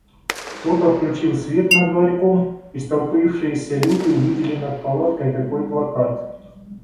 Кто-то включил свет над ларьком, и столпившиеся люди увидели над палаткой такой плакат: